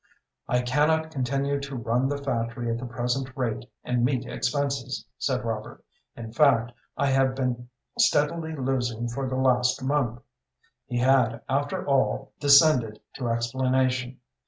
"I cannot continue to run the factory at the present rate and meet expenses," said Robert; "in fact, I have been steadily losing for the last month." He had, after all, descended to explanation.